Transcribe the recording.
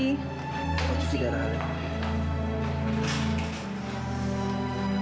cuci darah haris